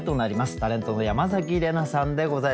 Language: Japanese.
タレントの山崎怜奈さんでございます。